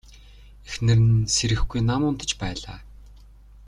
Эхнэр нь сэрэхгүй нам унтаж байлаа.